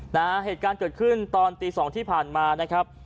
นะฮะเหตุการณ์เกิดขึ้นตอนตีสองที่ผ่านมานะครับ